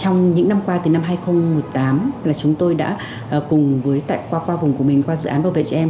trong những năm qua từ năm hai nghìn một mươi tám là chúng tôi đã cùng qua vùng của mình qua dự án bảo vệ trẻ em